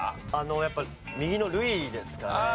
やっぱ右の「類」ですかね。